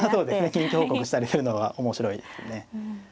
近況報告したりするのは面白いですね。